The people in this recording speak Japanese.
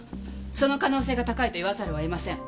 その可能性が高いと言わざるをえません。